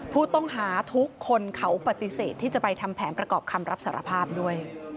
ผู้ต้องหาทุกคนเขาปฏิเสธที่จะไปทำแผนประกอบคำรับสารภาพด้วย